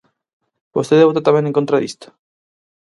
¿Vostede vota tamén en contra disto?